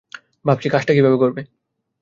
ভাবছি কাজটা কীভাবে করবে।